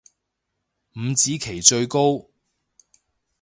五子棋最高